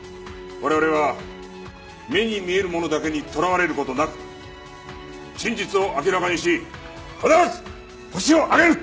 我々は目に見えるものだけにとらわれる事なく真実を明らかにし必ずホシを挙げる！